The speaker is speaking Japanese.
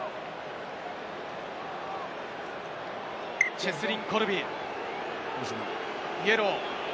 チェスリン・コルビ、イエロー。